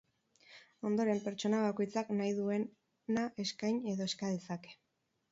Ondoren, pertsona bakoitzak nahi duena eskain edo eska dezake.